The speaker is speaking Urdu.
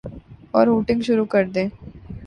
اورہوٹنگ شروع کردیں۔